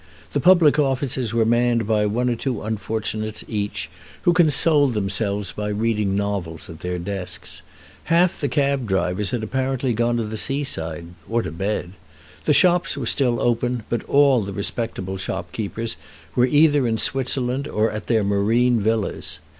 The public offices were manned by one or two unfortunates each, who consoled themselves by reading novels at their desks. Half the cab drivers had gone apparently to the seaside, or to bed. The shops were still open, but all the respectable shopkeepers were either in Switzerland or at their marine villas.